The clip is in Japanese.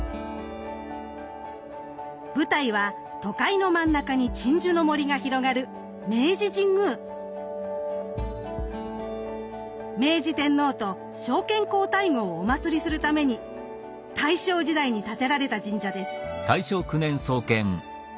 舞台は都会の真ん中に鎮守の森が広がる明治天皇と昭憲皇太后をお祀りするために大正時代に建てられた神社です。